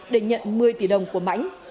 để nhận một mươi tỷ đồng của mãnh